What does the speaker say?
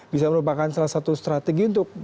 bisa merupakan salah satu strategi untuk